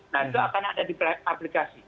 nah itu akan ada di aplikasi